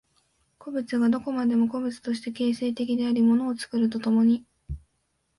個物がどこまでも個物として形成的であり物を作ると共に、